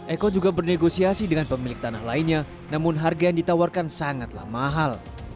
eko juga bernegosiasi dengan pemilik tanah lainnya namun harga yang ditawarkan sangatlah mahal